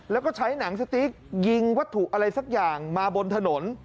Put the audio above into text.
แล้วก็ใช้หนังสติ๊กยิงวัตถุอะไรสักอย่างมาบนถนน